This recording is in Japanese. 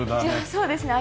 そうですね。